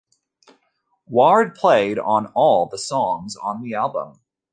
Ward played on all the songs on the album.